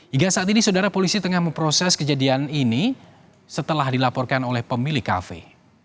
hingga saat ini saudara polisi tengah memproses kejadian ini setelah dilaporkan oleh pemilik kafe